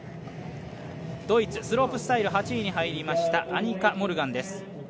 ドイツ、スロープスタイル８位に入りましたアニカ・モルガンです。